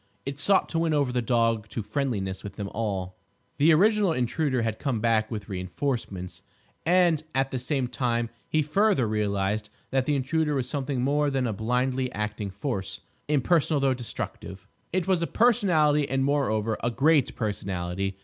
It sought to win over the dog to friendliness with them all. The original Intruder had come back with reinforcements. And at the same time he further realised that the Intruder was something more than a blindly acting force, impersonal though destructive. It was a Personality, and moreover a great personality.